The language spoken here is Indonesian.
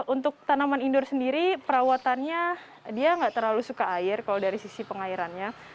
untuk tanaman indoor sendiri perawatannya dia nggak terlalu suka air kalau dari sisi pengairannya